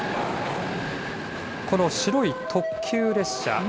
この白い特急列車。